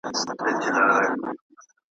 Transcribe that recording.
د غوايی تر سترګو ټوله ځنګل تور سو .